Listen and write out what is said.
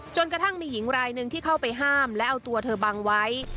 กระทั่งมีหญิงรายหนึ่งที่เข้าไปห้ามและเอาตัวเธอบังไว้